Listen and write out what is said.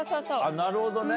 なるほどね。